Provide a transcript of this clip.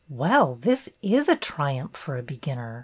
'' Well, this is a triumph for a beginner!